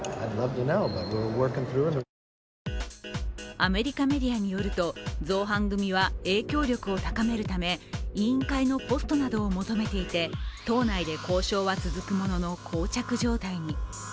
アメリカメディアによると造反組は影響力を高めるため委員会のポストなどを求めていて、党内で交渉は続くもののこう着状態に。